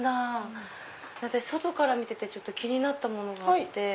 外から見ててちょっと気になったものがあって。